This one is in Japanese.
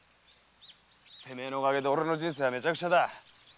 〔てめえのおかげで俺の人生はめちゃくちゃだ〕